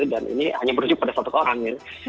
dan ini hanya berujuk pada satu orang